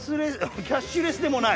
キャッシュレスでもない？